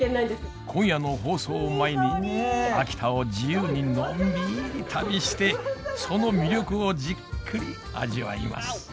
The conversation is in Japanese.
今夜の放送を前に秋田を自由にのんびり旅してその魅力をじっくり味わいます。